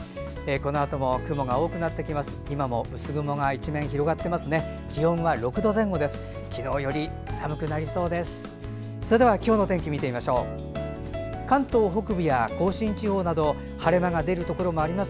このあとも雲が多くなってきます。